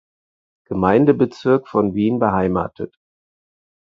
Gemeindebezirk von Wien beheimatet.